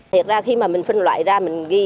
thật ra khi mà mình phân loại ra mình ghi